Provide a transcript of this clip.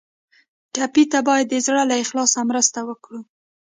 ټپي ته باید د زړه له اخلاص مرسته وکړو.